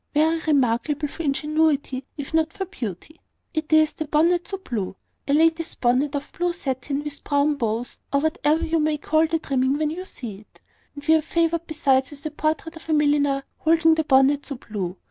"Very remarkable for ingenuity, if not for beauty. It is `The Bonnet so Blue:' a lady's bonnet of blue satin, with brown bows, or whatever you may call the trimming when you see it; and we are favoured besides with a portrait of the milliner, holding the bonnet so blue.